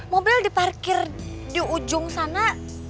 mobil diparkir di ujung sana